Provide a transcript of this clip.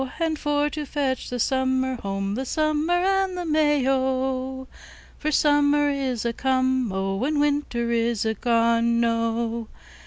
And for to fetch the Summer home, The Summer and the May, O! For Summer is a come, O! And Winter is a gone, O!